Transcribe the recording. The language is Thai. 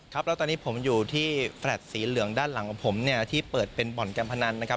ครับแล้วตอนนี้ผมอยู่ที่แฟลตสีเหลืองด้านหลังของผมเนี่ยที่เปิดเป็นบ่อนการพนันนะครับ